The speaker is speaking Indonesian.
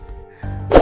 terima kasih pak